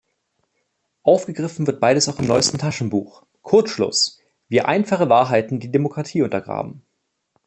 Aufgegriffen wird beides auch im neuesten Taschenbuch "Kurzschluss: Wie einfache Wahrheiten die Demokratie untergraben".